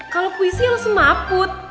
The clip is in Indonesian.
kalau puisi lo semaput